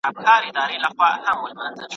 ټکنالوژي ستونزې حلوي زده کوونکي پوهوي.